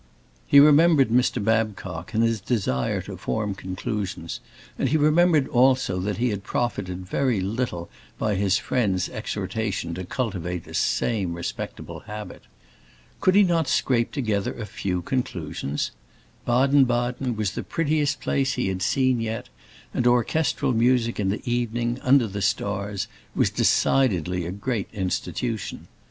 He remembered Mr. Babcock and his desire to form conclusions, and he remembered also that he had profited very little by his friend's exhortation to cultivate the same respectable habit. Could he not scrape together a few conclusions? Baden Baden was the prettiest place he had seen yet, and orchestral music in the evening, under the stars, was decidedly a great institution.